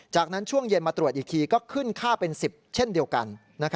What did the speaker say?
จากนั้นช่วงเย็นมาตรวจอีกทีก็ขึ้นค่าเป็น๑๐เช่นเดียวกัน